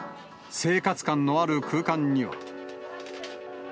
生活感のある空間には。